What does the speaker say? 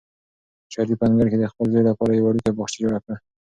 شریف په انګړ کې د خپل زوی لپاره یو وړوکی باغچه جوړه کړه.